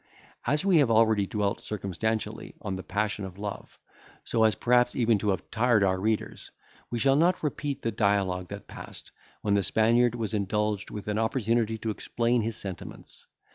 —As we have already dwelt circumstantially on the passion of love, so as perhaps even to have tired our readers, we shall not repeat the dialogue that passed, when the Spaniard was indulged with an opportunity to explain his sentiments.